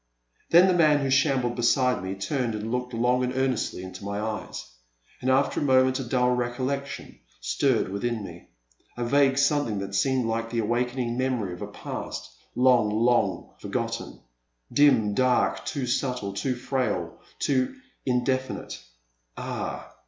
Then the man who shambled beside me turned and looked long and earnestly into my eyes. And after a moment a dull recollection stirred within me — a vague something that seemed like the awakening memory of a past, long, long for gotten, dim, dark, too subtle, too frail, too indefi nite — ah